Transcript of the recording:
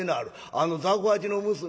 あの雑穀八の娘